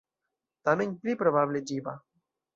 Tamen, pli probable, ĝiba.